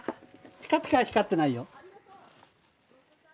ピカピカは光ってないよ。